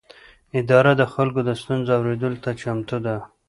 اداره د خلکو د ستونزو اورېدلو ته چمتو ده.